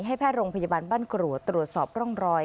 แพทย์โรงพยาบาลบ้านกรวดตรวจสอบร่องรอย